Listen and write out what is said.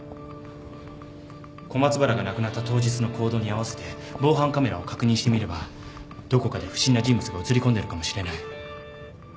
小松原が亡くなった当日の行動に合わせて防犯カメラを確認してみればどこかで不審な人物が映りこんでるかもしれない。